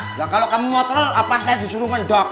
nah kalau kamu mau telur apa saya disuruh ngedok